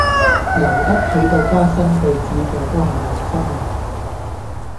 留得喺度加新句子嘅都係有心人